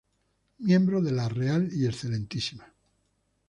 Miembro de la Real y Excma.